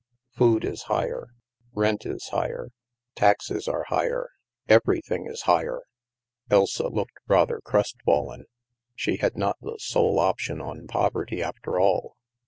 Food is higher, rent is higher, taxes are higher, everything is higher !'* Elsa looked rather crestfallen. She had not the sole option on poverty, after all.